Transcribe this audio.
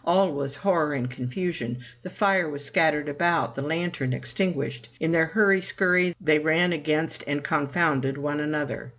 All was horror and confusion. The fire was scattered about, the lantern extinguished. In their hurry scurry they ran against and confounded one another.